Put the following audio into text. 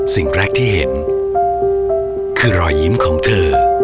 สิ่งแรกที่เห็นคือรอยยิ้มของเธอ